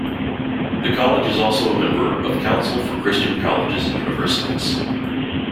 The college is also a member of Council for Christian Colleges and Universities.